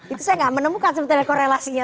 itu saya nggak menemukan sebetulnya korelasinya